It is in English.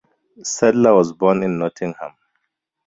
Sadler was born in Nottingham.